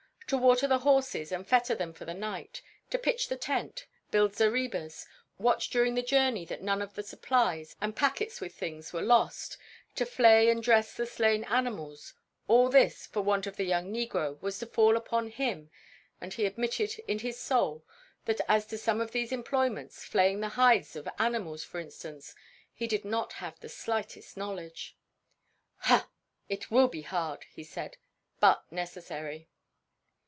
To water the horses and fetter them for the night, to pitch the tent, build zarebas, watch during the journey that none of the supplies and packets with things were lost, to flay and dress the slain animals, all this for want of the young negro was to fall upon him and he admitted in his soul that as to some of these employments, flaying the hides of animals, for instance, he did not have the slightest knowledge. "Ha! it will be hard," he said, "but necessary."